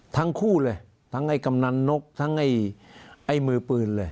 ทั้งคู่เลยทั้งไอ้กำนันนกทั้งไอ้มือปืนเลย